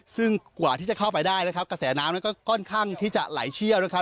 ซึ่งกว่าที่จะเข้าไปได้นะครับกระแสน้ำนั้นก็ค่อนข้างที่จะไหลเชี่ยวนะครับ